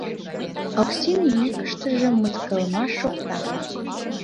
Оксин йӱкыштыжӧ мыскылымаш шокта.